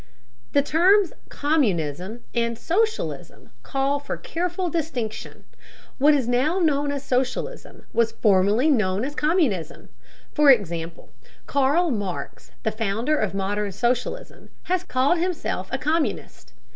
The terms "communism" and "socialism" call for careful distinction. What is now known as socialism was formerly known as communism. For example, Karl Marx, the founder of modern socialism, called himself a communist.